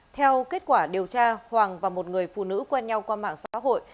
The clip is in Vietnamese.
theo kết quả điều tra hoàng và một người phụ nữ quen nhau qua mạng xã hội